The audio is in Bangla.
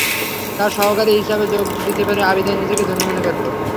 তার সহকারী হিসেবে যোগ দিতে পেরে আবিদা নিজেকে ধন্য মনে করল।